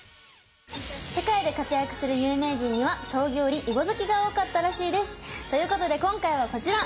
世界で活躍する有名人には将棋より囲碁好きが多かったらしいです。ということで今回はこちら！